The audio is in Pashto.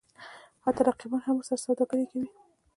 حتی رقیبان هم ورسره سوداګري کوي.